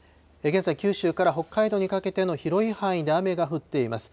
現在、九州から北海道にかけての広い範囲で雨が降っています。